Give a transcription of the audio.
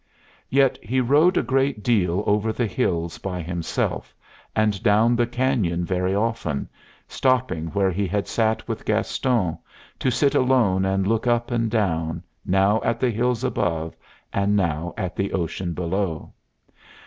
Yet he rode a great deal over the hills by himself, and down the canyon very often, stopping where he had sat with Gaston, to sit alone and look up and down, now at the hills above, and now at the ocean below.